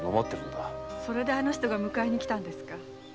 それであの人が迎えに来たんですか？